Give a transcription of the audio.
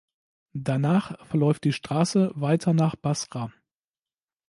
Danach verläuft die Straße weiter nach Basra.